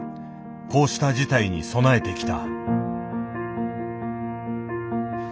こうした事態に備えてきた。